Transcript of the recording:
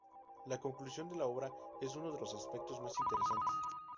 La conclusión de la obra es uno de los aspectos más interesantes.